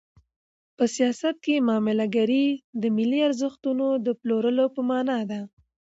په سیاست کې معامله ګري د ملي ارزښتونو د پلورلو په مانا ده.